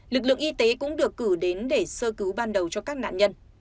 lực lượng y tế cũng được cử đến để sơ cứu ban đầu cho các nạn nhân